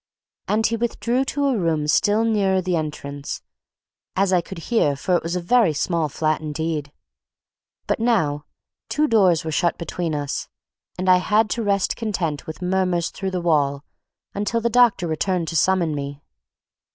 And he withdrew to a room still nearer the entrance, as I could hear, for it was a very small flat indeed. But now two doors were shut between us, and I had to rest content with murmurs through the wall until the doctor returned to summon me.